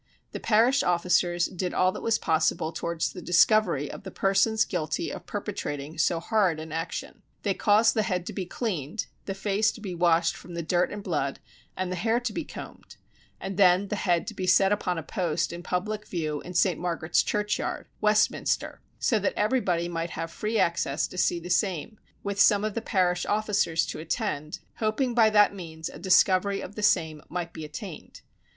The parish officers did all that was possible towards the discovery of the persons guilty of perpetrating so horrid an action. They caused the head to be cleaned, the face to be washed from the dirt and blood, and the hair to be combed, and then the head to be set upon a post in public view in St. Margaret's churchyard, Westminster, so that everybody might have free access to see the same, with some of the parish officers to attend, hoping by that means a discovery of the same might be attained.